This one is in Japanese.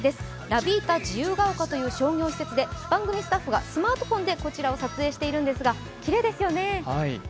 ラ・ヴィータ自由が丘という商業施設で番組スタッフがスマートフォンでこちらを撮影しているんですがきれいですよね。